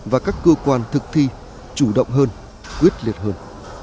và các cơ quan thực thi chủ động hơn quyết liệt hơn